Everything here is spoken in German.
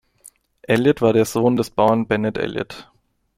Eliot war der Sohn des Bauern Bennet Eliot.